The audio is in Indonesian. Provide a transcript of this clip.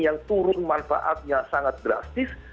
yang turun manfaatnya sangat drastis